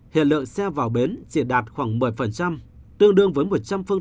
hiện lượng xe vào bến chỉ đạt khoảng một mươi tương đương với một trăm linh phương tiện và năm trăm linh khách một ngày